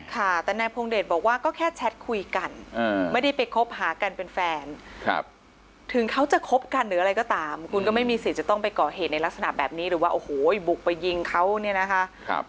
ค่ะแต่นายพงเดชบอกว่าก็แค่แชทคุยกันไม่ได้ไปคบหากันเป็นแฟนถึงเขาจะคบกันหรืออะไรก็ตามคุณก็ไม่มีสิทธิ์จะต้องไปก่อเหตุในลักษณะแบบนี้หรือว่าโอ้โหบุกไปยิงเขาเนี่ยนะคะ